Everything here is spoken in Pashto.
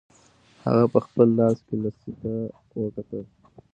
هغه په خپل لاس کې لسی ته وکتل.